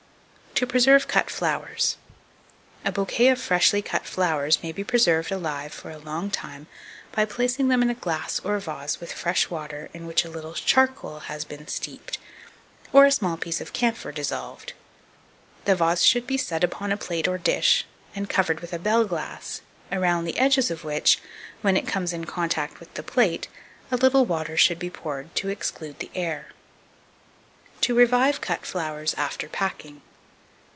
To preserve cut Flowers. 2289. A bouquet of freshly cut flowers may be preserved alive for a long time by placing them in a glass or vase with fresh water, in which a little charcoal has been steeped, or a small piece of camphor dissolved. The vase should be set upon a plate or dish, and covered with a bell glass, around the edges of which, when it comes in contact with the plate, a little water should be poured to exclude the air. To revive cut Flowers after packing.